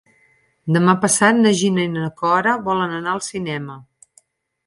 Demà passat na Gina i na Cora volen anar al cinema.